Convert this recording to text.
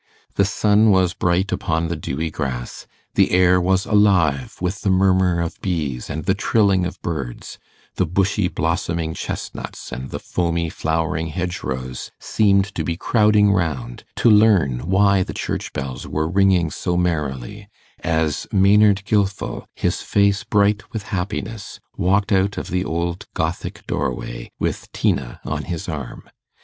The sun was bright upon the dewy grass, the air was alive with the murmur of bees and the trilling of birds, the bushy blossoming chestnuts and the foamy flowering hedgerows seemed to be crowding round to learn why the church bells were ringing so merrily, as Maynard Gilfil, his face bright with happiness, walked out of the old Gothic doorway with Tina on his arm.